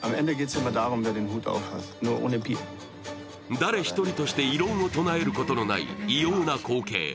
誰一人として異論を唱えることのない異様な光景。